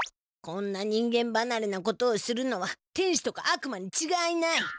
こんな人間ばなれなことをするのは天使とかあくまにちがいない！